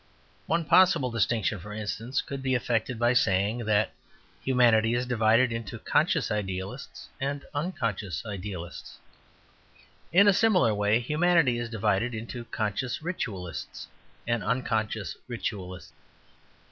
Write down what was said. One possible distinction, for instance, could be effected by saying that humanity is divided into conscious idealists and unconscious idealists. In a similar way, humanity is divided into conscious ritualists and unconscious ritualists.